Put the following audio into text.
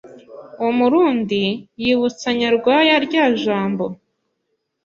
uwo Murundi yibutsa Nyarwaya rya jambo